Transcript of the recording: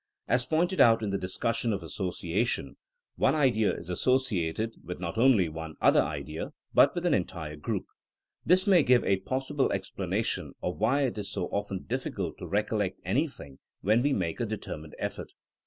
As pointed out in the discussion of association, one idea is associated with not only one other idea but with an entire group. This may give a possible explanation of why it is so often difficult to recollect anything when we make a determined effort.